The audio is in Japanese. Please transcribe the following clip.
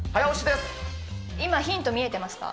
今、ヒント見えてました？